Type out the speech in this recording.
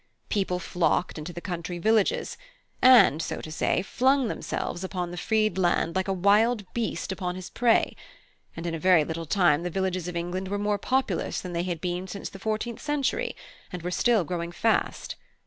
People flocked into the country villages, and, so to say, flung themselves upon the freed land like a wild beast upon his prey; and in a very little time the villages of England were more populous than they had been since the fourteenth century, and were still growing fast.